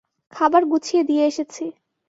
খাবার গুছিয়ে দিয়ে এসেছি।